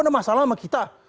ada masalah sama kita